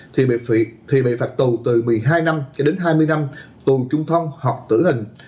người bị phạt tù từ một mươi hai năm đến hai mươi năm tù trung thông hoặc tử hình